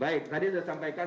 baik tadi saya sampaikan